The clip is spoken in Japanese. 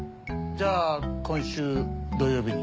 じゃあ今週土曜日に。